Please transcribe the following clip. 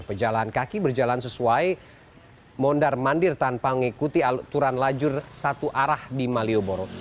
pejalan kaki berjalan sesuai mondar mandir tanpa mengikuti alturan lajur satu arah di malioboro